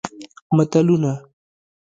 متلونه